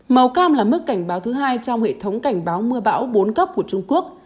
màu cam là mức cảnh báo thứ hai trong hệ thống cảnh báo mưa bão bốn cấp của trung quốc